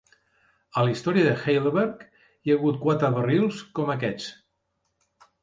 A la història de Heidelberg hi ha hagut quatre barrils com aquests.